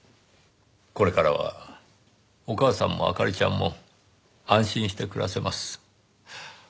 これからはお母さんも明里ちゃんも安心して暮らせます。